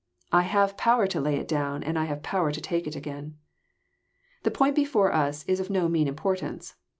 I have power to lay it down, and I have power to take it again." The point before us is of no mean importance.